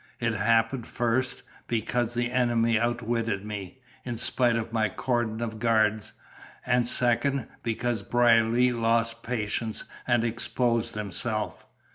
"It happened, first, because the enemy outwitted me, in spite of my cordon of guards; and, second, because Brierly lost patience and exposed himself."